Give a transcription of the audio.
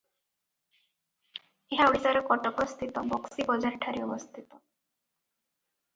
ଏହା ଓଡ଼ିଶାର କଟକସ୍ଥିତ ବକ୍ସି ବଜାରଠାରେ ଅବସ୍ଥିତ ।